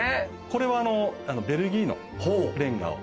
これはあのベルギーのレンガを。